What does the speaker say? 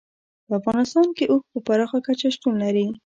په افغانستان کې اوښ په پراخه کچه شتون لري.